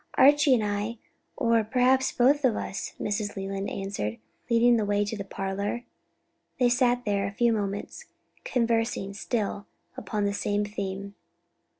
"Archie or I, or perhaps both of us," Mrs. Leland answered, leading the way to the parlor. They sat there a few moments, conversing still upon the same theme.